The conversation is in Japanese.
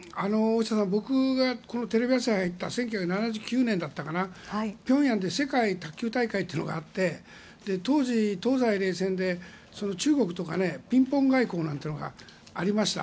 僕がテレビ朝日に入ったのが１９７９年だったかなピョンヤンで世界卓球大会というのがあって当時、東西冷戦で中国とかピンポン外交なんてのがありました。